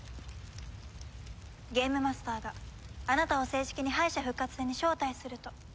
ゲームマスターがあなたを正式に敗者復活戦に招待すると。